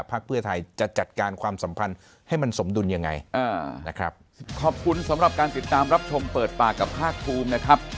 ภาคเพื่อไทยจะจัดการความสัมพันธ์ให้มันสมดุลยังไงนะครับ